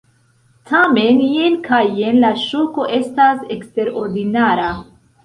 Tamen jen kaj jen la ŝoko estas eksterordinara.